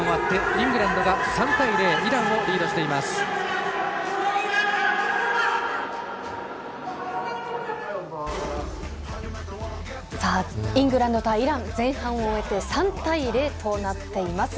イングランド対イラン前半を終えて３対０となっています。